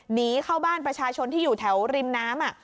หนีเข้าบ้านประชาชนที่อยู่แถวริมน้ำ